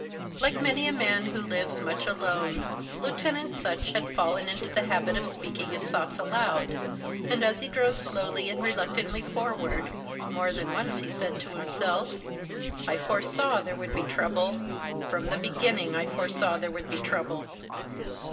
Like many a man who lives much alone, Lieutenant Sutch had fallen into the habit of speaking his thoughts aloud. And as he drove slowly and reluctantly forward, more than once he said to himself: "I foresaw there would be trouble. From the beginning I foresaw there would be trouble."